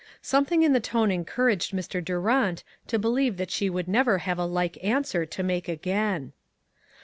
Something in the tone encouraged Mr. Durant to believe that she would never have a like answer to make again.